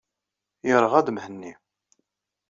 Yeṛɣa-d Mhenni.